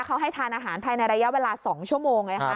เขาให้ทานอาหารภายในระยะเวลา๒ชั่วโมง